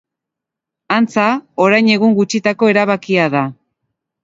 Antza, orain egun gutxitako erabakia da.